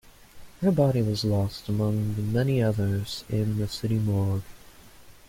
Her body was lost among the many others in the city morgue.